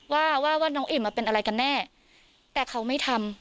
ว่าว่าน้องอิ่มมาเป็นอะไรกันแน่แต่เขาไม่ทำ